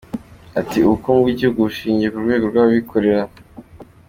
Ati “Ubukungu bw’igihugu bushingiye ku rwego rw’abikorera.